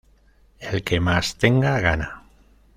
El que más tenga, gana.